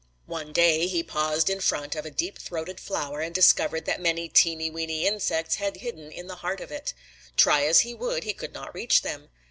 "One day he paused in front of a deep throated flower and discovered that many teeny, weeny insects had hidden in the heart of it. Try as he would he could not reach them.